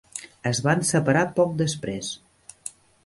Es van separar poc després.